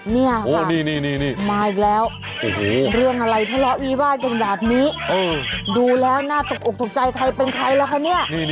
นี่มาอีกแล้วเรื่องอะไรทะเลาะวิวาดกันแบบนี้ดูแล้วน่าตกอกตกใจใครเป็นใครล่ะคะเนี่ย